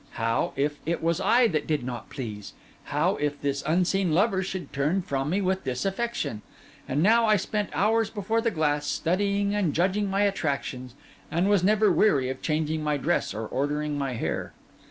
How if it was I that did not please? How if this unseen lover should turn from me with disaffection? And now I spent hours before the glass, studying and judging my attractions, and was never weary of changing my dress or ordering my hair.